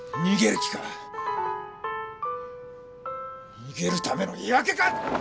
逃げるための言い訳か！？